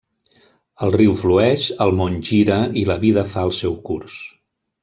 El riu flueix, el món gira i la vida fa el seu curs.